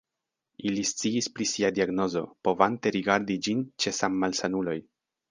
Ili sciis pri sia diagnozo, povante rigardi ĝin ĉe sammalsanuloj.